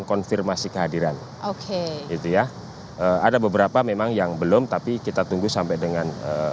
konfirmasi kehadiran oke itu ya ada beberapa memang yang belum tapi kita tunggu sampai dengan